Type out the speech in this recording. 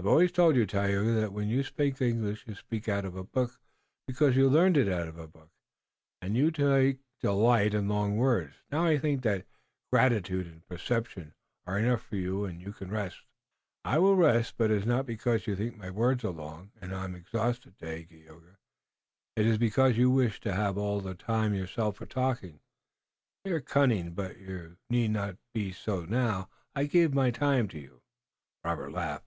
"I've always told you, Tayoga, that when you speak English you speak out of a book, because you learned it out of a book and you take delight in long words. Now I think that 'gratitude' and 'perception' are enough for you and you can rest." "I will rest, but it is not because you think my words are long and I am exhausted, Dagaeoga. It is because you wish to have all the time yourself for talking. You are cunning, but you need not be so now. I give my time to you." Robert laughed.